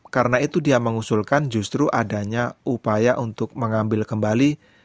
karena itu dia mengusulkan justru adanya upaya untuk mengambil kembali